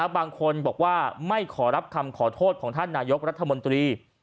บางคนบอกว่าไม่ขอรับคำขอโทษของท่านนายกรัฐมนตรี